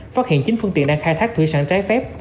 phát hiện chín phương tiện đang khai thác thủy sản trái phép